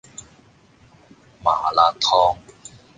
麻辣燙